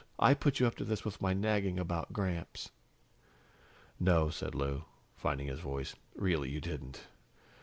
I put you up to this with my nagging about Gramps." "No," said Lou, finding his voice, "really you didn't.